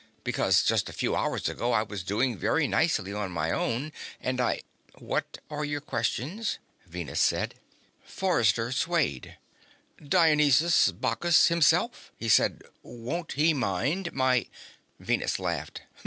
Because just a few hours ago I was doing very nicely on my own and I " "What are your questions?" Venus said. Forrester swayed. "Dionysus/Bacchus himself," he said. "Won't he mind my " Venus laughed.